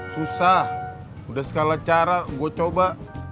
susah udah segala cara gue coba